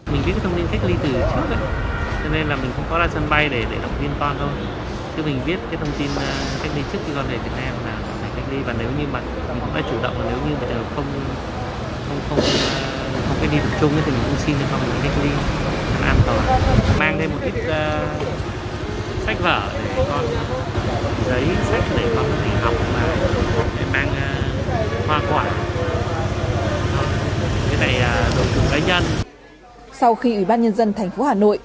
mình viết thông tin cách ly từ trước cho nên là mình không có ra sân bay để đọc viên toàn thôi